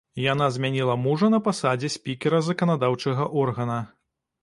Яна змяніла мужа на пасадзе спікера заканадаўчага органа.